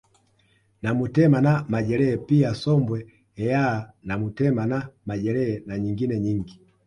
Namutema na majelee pia sombwe eyaaa namutema na majele na nyingine nyingi